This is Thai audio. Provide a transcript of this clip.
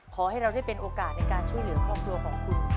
ขอให้เราได้เป็นโอกาสในการช่วยเหลือครอบครัวของคุณ